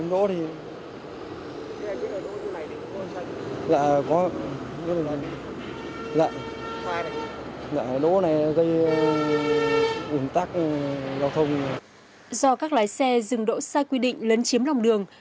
do các lái xe dừng đỗ sai quy định lấn chiếm lòng đường